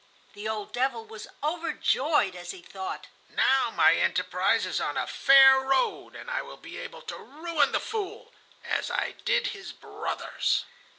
The old devil was overjoyed as he thought, "Now my enterprise is on a fair road and I will be able to ruin the Fool—as I did his brothers."